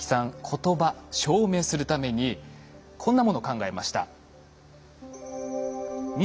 言葉証明するためにこんなものを考えました。